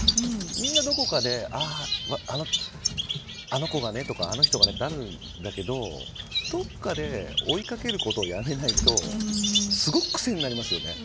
みんなどこかで、あの子がねとかあの人がねってあるんだけどどっかで追いかけることをやめないとすごく癖になりますよね。